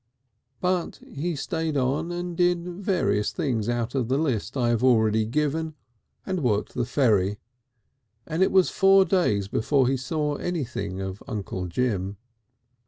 But he stayed on and did various things out of the list I have already given, and worked the ferry, and it was four days before he saw anything of Uncle Jim.